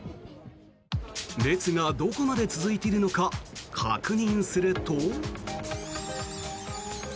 列がどこまで続いているのか確認すると。